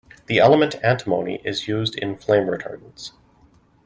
The element antimony is mainly used in flame retardants.